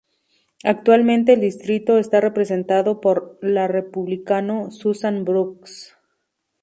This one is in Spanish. Actualmente el distrito está representado por la Republicano Susan Brooks.